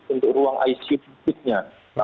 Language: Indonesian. untuk ruang icu kitnya